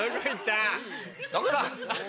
どこだ？